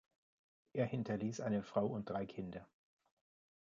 Er hinterließ eine Frau und drei Kinder.